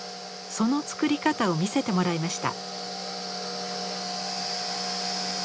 その作り方を見せてもらいました。